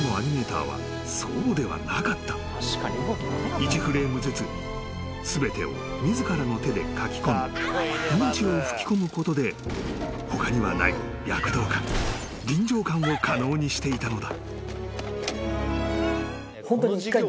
［１フレームずつ全てを自らの手で描きこみ命を吹き込むことで他にはない躍動感臨場感を可能にしていたのだ］